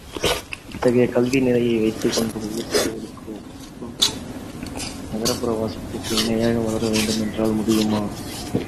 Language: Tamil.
இத்தகைய கல்வி நிலையை வைத்துக் கொண்டு உயர்சாதிக்கு ஒப்ப நகர்ப்புறவாசிகளுக்கு இணையாக வளர வேண்டுமென்றால் முடியுமா?